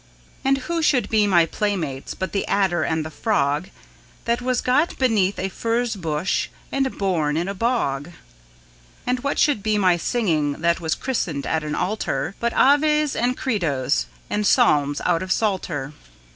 And who should be my playmates but the adder and the frog, That was got beneath a furze bush and born in a bog? And what should be my singing, that was christened at an altar, But Aves and Credos and Psalms out of Psalter?